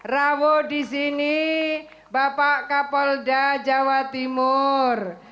rawo disini bapak kapolda jawa timur